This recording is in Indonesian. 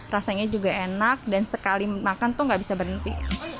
rasanya juga enak dan sekali makan tuh gak bisa berhenti